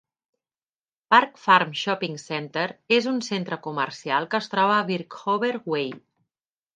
Park Farm Shopping Centre és un centre comercial que es troba a Birchover Way.